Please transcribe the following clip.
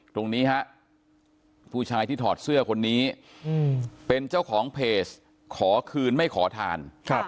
ตรงนี้ฮะผู้ชายที่ถอดเสื้อคนนี้เป็นเจ้าของเพจขอคืนไม่ขอทาน